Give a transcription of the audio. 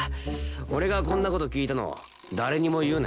俺がこんな事聞いたの誰にも言うなよ。